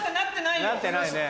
なってないね。